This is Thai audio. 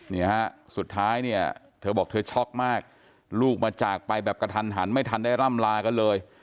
เนี่ยฮะสุดท้ายเนี่ยเธอบอกเธอช็อกมากลูกมาจากไปแบบกระทันหันไม่ทันได้ร่ำลากันเลย